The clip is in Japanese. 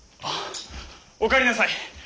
あっお帰りなさい。